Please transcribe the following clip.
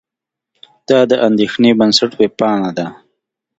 دا د اندېښې بنسټ وېبپاڼه ده.